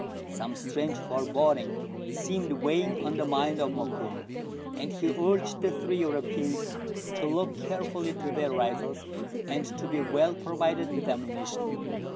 Some strange foreboding seemed weighing on the mind of Mokoum, and he urged the three Europeans to look carefully to their rifles and to be well provided with ammu nition.